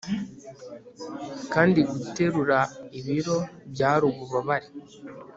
Kandi guterura ibiro byari ububabare